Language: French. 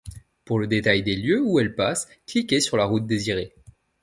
Pour le détail des lieux où elles passent, cliquer sur la route désirée.